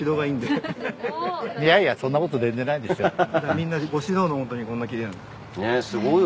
みんなご指導のもとにこんなきれいな。